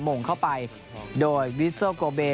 โหม่งเข้าไปโดยวิสเซอร์โกเบ